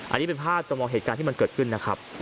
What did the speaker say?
อันนี้เป็นภาพจำลองเหตุการณ์ที่มันเกิดขึ้นนะครับ